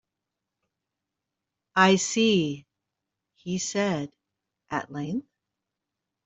"I see," he said, at length.